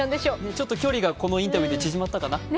ちょっと距離がこのインタビューで縮まったかな？